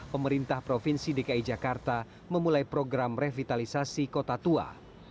pemerintah provinsi dki jakarta memulai program revitalisasi kota tua